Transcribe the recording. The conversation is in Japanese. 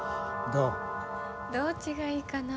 どっちがいいかな？